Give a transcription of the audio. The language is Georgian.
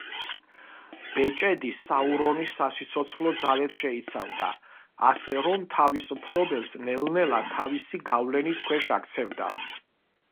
ბეჭედი საურონის სასიცოცხლო ძალებს შეიცავდა, ასე რომ, თავის მფლობელს ნელ-ნელა თავისი გავლენის ქვეშ აქცევდა.